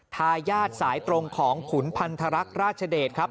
ทายาทสายตรงของขุนพันธรรคราชเดชครับ